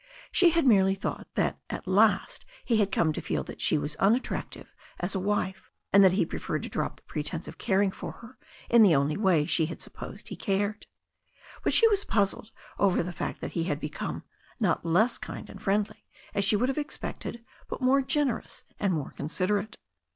She had merely thought that at last he had come to feel that she was unattractive as a wife, and that he preferred to drop the pretence of caring for her in the only way she had supposed he cared. But she was puzzled over the iztt that he had become, not less kind and friendly, as she would have expected, but more generous and more considerate.